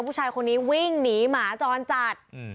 ผู้ชายคนนี้วิ่งหนีหมาจรจัด